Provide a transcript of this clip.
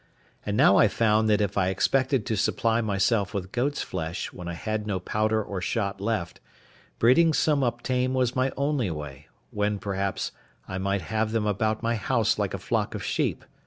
And now I found that if I expected to supply myself with goats' flesh, when I had no powder or shot left, breeding some up tame was my only way, when, perhaps, I might have them about my house like a flock of sheep.